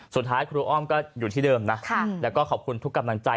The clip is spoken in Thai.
สุดท้ายครูอ้อมก็อยู่ที่เดิมนะแล้วก็ขอบคุณทุกกำลังใจ